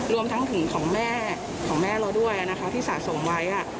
รวมทั้งถึงของแม่ของแม่เราด้วยนะคะที่สะสมไว้